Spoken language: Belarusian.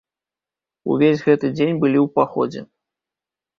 Увесь гэты дзень былі ў паходзе.